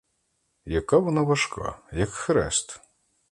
Яка вона важка, як хрест!